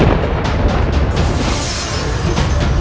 untuk membuatnya terakhir